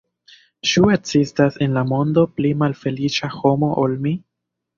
Ĉu ekzistas en la mondo pli malfeliĉa homo ol mi?